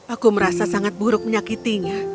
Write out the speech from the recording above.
aku merasa sangat buruk menyakitinya